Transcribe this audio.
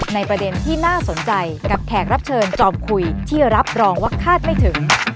ประเด็นที่น่าสนใจกับแขกรับเชิญจอมคุยที่รับรองว่าคาดไม่ถึง